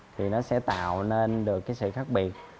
thì nó sẽ tạo nên được cái sự khác biệt